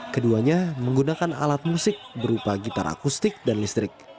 keduanya menggunakan alat musik berupa gitar akustik dan listrik